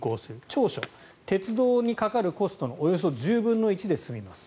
長所、鉄道にかかるコストのおよそ１０分の１で済みます。